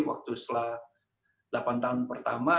waktu setelah delapan tahun pertama